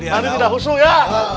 nanti tidak usuh ya